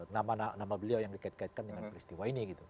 nama nama beliau yang dikaitkan dengan peristiwa ini gitu